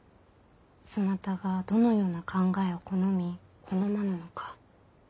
そなたがどのような考えを好み好まぬのか。